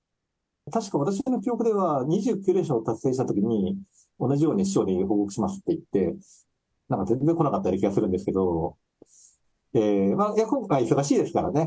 確か、私の記憶では、２９連勝を達成したときに、同じように師匠に報告しますって言って、なんか全然来なかった気がするんですけど、今回、忙しいですからね。